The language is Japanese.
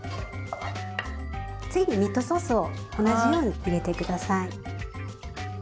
次にミートソースを同じように入れて下さい。